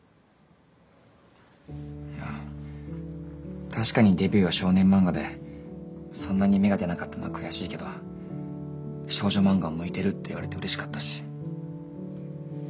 いや確かにデビューは少年漫画でそんなに芽が出なかったのは悔しいけど少女漫画も向いてるって言われてうれしかったし。